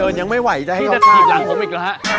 เดินยังไม่ไหวจะให้หน่าทีมหลังผมอีกหรอฮะ